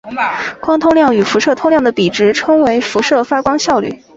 光通量与辐射通量的比值称为辐射发光效率。